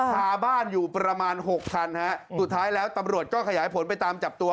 คาบ้านอยู่ประมาณหกคันฮะสุดท้ายแล้วตำรวจก็ขยายผลไปตามจับตัว